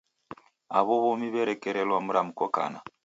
Aw'o w'omi w'elekerelwa mramko kana.